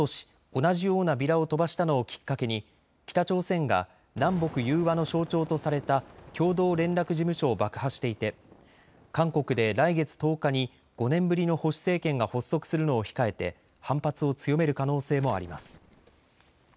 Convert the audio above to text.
同じようなビラを飛ばしたのをきっかけに北朝鮮が南北融和の象徴とされた共同連絡事務所を爆破していて韓国で来月１０日に５年ぶりの保守政権が発足するのを控えて反発を強める可能性もあります。